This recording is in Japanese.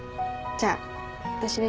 じゃあね。